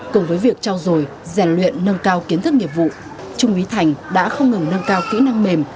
cùng với việc trao dồi rèn luyện nâng cao kiến thức nghiệp vụ trung úy thành đã không ngừng nâng cao kỹ năng mềm